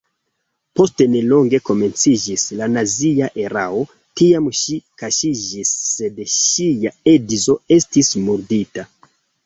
Post nelonge komenciĝis la nazia erao, tiam ŝi kaŝiĝis sed ŝia edzo estis murdita.